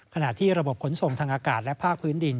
ขณะที่ระบบขนส่งทางอากาศและภาคพื้นดิน